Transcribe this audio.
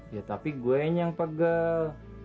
ya tapi gue yang yang pegel